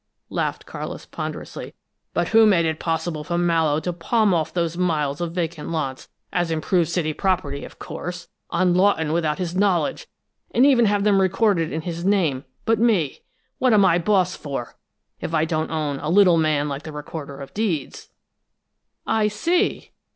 laughed Carlis, ponderously. "But who made it possible for Mallowe to palm off those miles of vacant lots as improved city property, of course on Lawton, without his knowledge, and even have them recorded in his name, but me? What am I boss for, if I don't own a little man like the Recorder of Deeds?" "I see!"